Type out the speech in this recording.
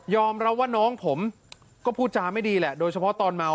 รับว่าน้องผมก็พูดจาไม่ดีแหละโดยเฉพาะตอนเมา